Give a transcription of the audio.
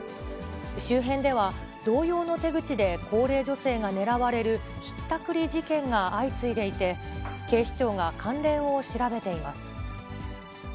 周辺では、同様の手口で高齢女性が狙われるひったくり事件が相次いでいて、警視庁が関連を調べています。